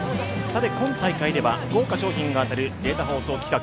今大会では豪華賞品が当たるデータ放送企画